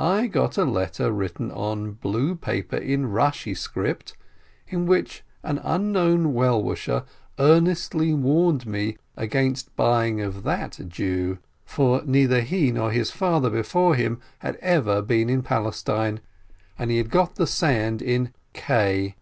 I got a letter written on blue paper in Rashi script, in which an unknown well wisher earnestly warned me against buying of that Jew, for neither he nor his father before him had ever been in Palestine, and he had got the sand in K.